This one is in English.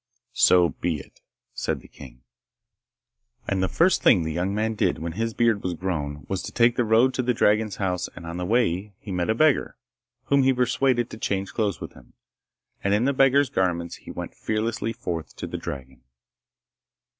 'So be it,' said the king. And the first thing the young man did when his beard was grown was to take the road to the dragon's house and on the way he met a beggar, whom he persuaded to change clothes with him, and in the beggar's garments he went fearlessly forth to the dragon.